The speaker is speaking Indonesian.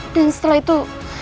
dan setelah itu